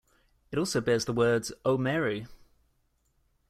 It also bears the words, O Mary!